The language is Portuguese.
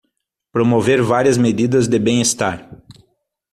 Promover várias medidas de bem-estar